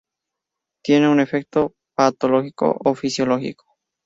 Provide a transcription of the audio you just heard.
Tiene un efecto patológico o fisiológico.